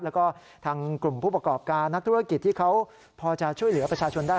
แล้วก็ทางกลุ่มผู้ประกอบการนักธุรกิจที่เขาพอจะช่วยเหลือประชาชนได้